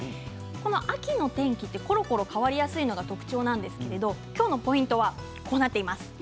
秋の天気は、ころころ変わりやすいのが特徴なんですが今日のポイントはこうなっています。